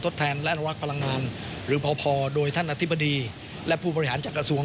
แทนและอนุรักษ์พลังงานหรือพอพอโดยท่านอธิบดีและผู้บริหารจากกระทรวง